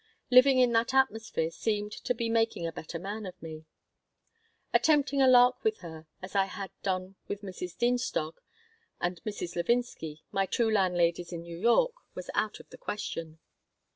Living in that atmosphere seemed to be making a better man of me Attempting a lark with her, as I had done with Mrs. Dienstog and Mrs. Levinsky, my first two landladies in New York, was out of the question.